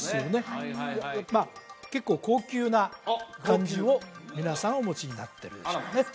はいはいはいまあ結構高級な感じを皆さんお持ちになってるでしょうね